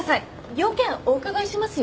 用件お伺いしますよ。